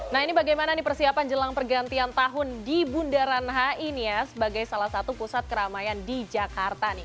nah ini bagaimana nih persiapan jelang pergantian tahun di bundaran hi nih ya sebagai salah satu pusat keramaian di jakarta nih